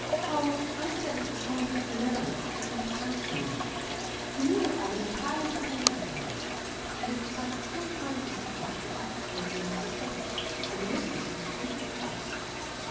"Oh, aunt said it was only his benevolence that made him propose for me. He knew that I was entirely dependent upon her, and it was out of pure kindness of heart he offered to make me Mrs. Betts, and the mistress of his beautiful house."